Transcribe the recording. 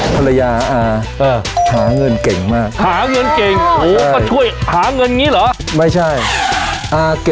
ภรรยาอาหารเข